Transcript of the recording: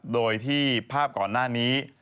โดยที่ภาพก่อนหน้านี้